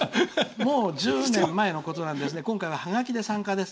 もう１０年も前のことなので今回は、はがきで参加です。